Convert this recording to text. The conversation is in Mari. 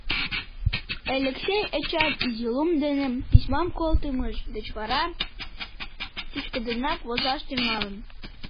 Элексей Эчан изи лум дене письмам колтымыж деч вара чӱчкыдынак возаш тӱҥалын.